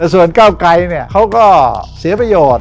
ส่วนก้าวไกรเขาก็เสียประโยชน์